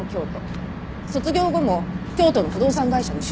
卒業後も京都の不動産会社に就職していました。